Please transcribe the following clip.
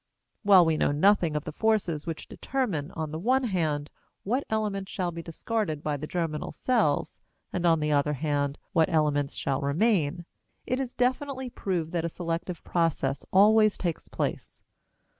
While we know nothing of the forces which determine, on the one hand, what elements shall be discarded by the germinal cells and, on the other hand, what elements shall remain, it is definitely proved that a selective process always takes place.